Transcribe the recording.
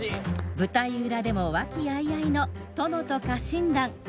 舞台裏でも和気あいあいの殿と家臣団。